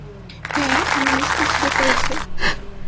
হ্যাঁ, আমি নিশ্চিত সে করেছে।